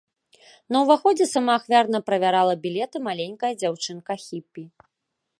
На ўваходзе самаахвярна правярала білеты маленькая дзяўчынка-хіпі.